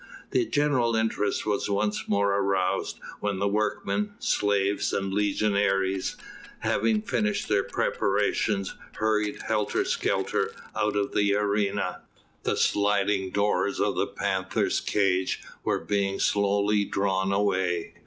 Then general interest was once more aroused, when the workmen slaves and legionaries having finished their preparations, hurried helter skelter out of the arena. The sliding doors of the panther's cage were being slowly drawn away.